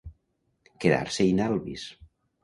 Quedar-se in albis.